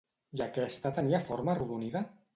I aquesta tenia forma arrodonida?